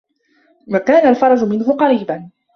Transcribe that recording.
وَكَانَ الْفَرَجُ مِنْهُ قَرِيبًا